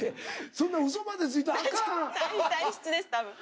そんなうそまでついたらあかん！